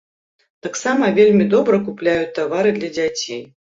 Таксама вельмі добра купляюць тавары для дзяцей.